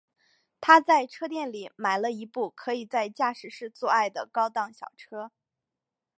他在车店里买了一部可以在驾驶室做爱的高档小车。